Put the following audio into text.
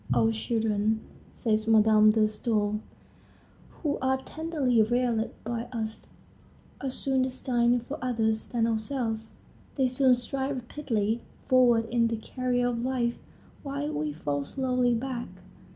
"Our children," says Madame de Stael, "who are tenderly reared by us, are soon destined for others than ourselves. They soon stride rapidly forward in the career of life, while we fall slowly back.